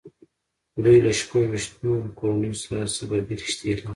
دوی له شپږ ویشت نورو کورنیو سره سببي رشتې لري.